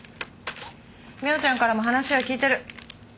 澪ちゃんからも話は聞いてる。